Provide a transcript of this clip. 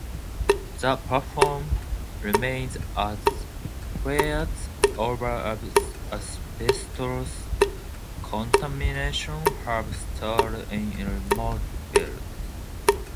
The platform remains, as fears over asbestos contamination have stalled its removal.